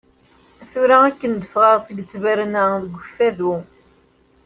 Tura akken d-fɣaɣ seg ttberna deg Ukfadu.